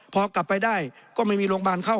พอกลับไปได้ก็ไม่มีโรงพยาบาลเข้า